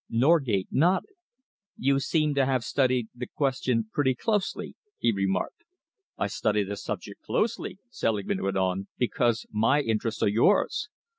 Norgate nodded. "You seem to have studied the question pretty closely," he remarked. "I study the subject closely," Selingman went on, "because my interests are yours.